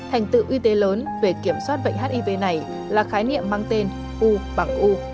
thành tựu y tế lớn về kiểm soát bệnh hiv này là khái niệm mang tên u bằng u